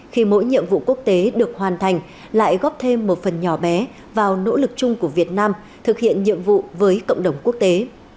khi mỗi nhiệm vụ quốc tế được hoàn thành lại góp thêm một phần nhỏ bé vào nỗ lực chung của việt nam thực hiện nhiệm vụ với cộng đồng quốc tế